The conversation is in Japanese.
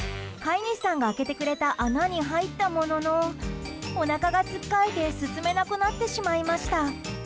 飼い主さんが開けてくれた穴に入ったもののおなかがつっかえて進めなくなってしまいました。